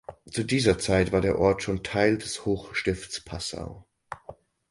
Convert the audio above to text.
Zu dieser Zeit war der Ort schon Teil des Hochstifts Passau.